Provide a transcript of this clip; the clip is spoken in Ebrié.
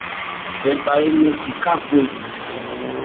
Ninba énɛn si ká khúbhɛ́.